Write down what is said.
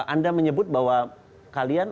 anda menyebut bahwa kalian